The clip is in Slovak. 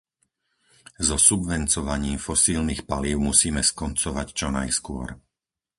So subvencovaním fosílnych palív musíme skoncovať čo najskôr.